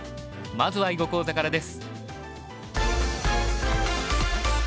まずは囲碁講座からです。